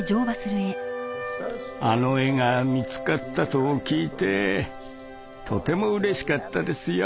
あの絵が見つかったと聞いてとてもうれしかったですよ。